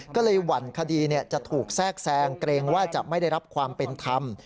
ก็เลยหวั่นคดีจะถูกแทรกแซงเกรงว่าจะไม่ได้รับความเป็นธรรม